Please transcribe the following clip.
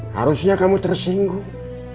harusnya kamu tersinggung